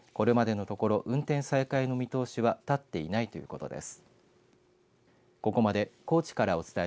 これまでのところ運転再開の見通しは立っていないということです。